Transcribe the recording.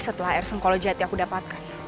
setelah air sengkolo jahat yang aku dapatkan